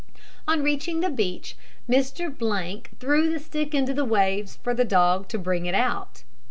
On reaching the beach, Mr threw the stick into the waves for the dog to bring it out.